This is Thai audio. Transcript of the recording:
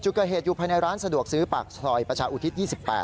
เกิดเหตุอยู่ภายในร้านสะดวกซื้อปากซอยประชาอุทิศ๒๘